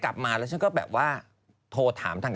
อ๋อคือเรื่องของใครก็ต้องตามเอง